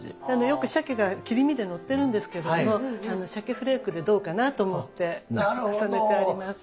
よくシャケが切り身でのってるんですけどもシャケフレークでどうかな？と思って重ねてあります。